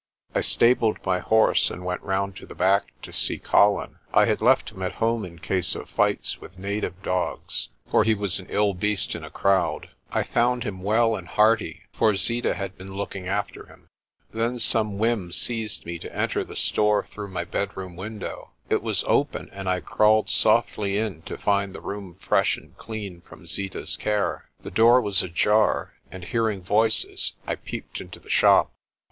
I stabled my horse, and went round to the back to see Colin. (I had left him at home in case of fights with native dogs, for he was an ill beast in a crowd.) I found him well and hearty, for Zeeta had been looking after him. Then some whim seized me to enter the store through my bed room window. It was open, and I crawled softly in to find the room fresh and clean from Zeeta's care. The door was ajar, and, hearing voices, I peeped into the shop.